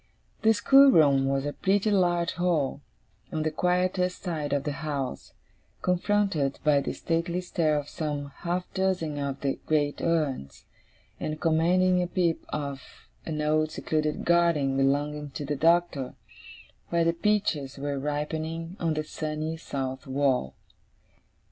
The schoolroom was a pretty large hall, on the quietest side of the house, confronted by the stately stare of some half dozen of the great urns, and commanding a peep of an old secluded garden belonging to the Doctor, where the peaches were ripening on the sunny south wall.